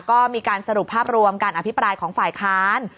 ก็มีการสรุปภาพรวมการอภิปรายของฝ่ายค้าน